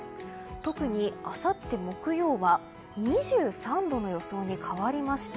特にあさって、木曜は２３度の予想に変わりました。